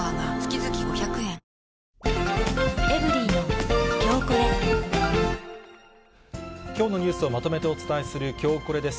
近い将来、きょうのニュースをまとめてお伝えするきょうコレです。